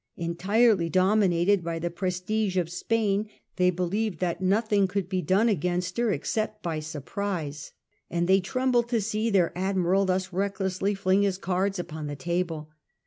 Entirely dominated by the prestige of Spain, they believed that nothing could be done against her except by surprise, and they trembled to see their Admiral thus recklessly fling his cards upon the table.